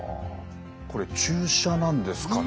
これ注射なんですかね。